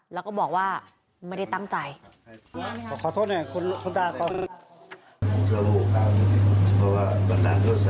แล้วก็บอกว่าไม่ได้ตั้งใจขอโทษหน่อยคุณคุณตาขอ